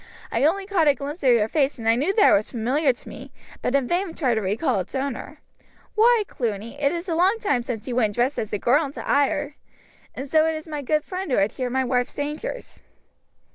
"I only caught a glimpse of your face and knew that it was familiar to me, but in vain tried to recall its owner. Why, Cluny, it is a long time since you went dressed as a girl into Ayr! And so it is my good friend who had shared my wife's dangers."